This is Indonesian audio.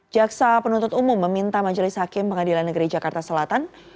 jaksa penuntut umum meminta majelis hakim pengadilan negeri jakarta selatan